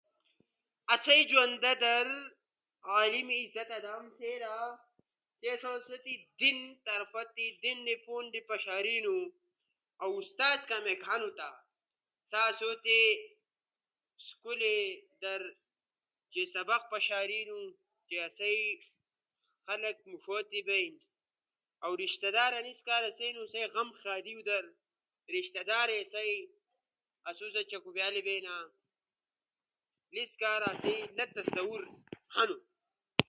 آسئی جوندا در عالم عزت آدامو تھینا، سی اسو تی دین دی پوندے پشارینو، اؤ استاز کامیک لہنو تا سا آسو تی اسکولی در سبق پشارینو، چی آسئی خلق موݜو تی بئینو۔ اؤ رشتہ دار انیس کارا تھینو سی آسئی غم خادیو در رشتہ دارے آسو ست ڇکوبیالے بونا، لیس کارا آسئی لا دستور ہنو۔